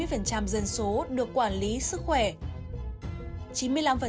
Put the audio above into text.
chín mươi dân số được quản lý sức khỏe